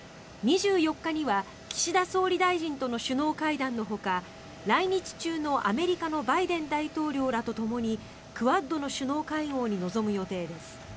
２４日には岸田総理大臣との首脳会談のほか来日中のアメリカのバイデン大統領らとともにクアッドの首脳会合に臨む予定です。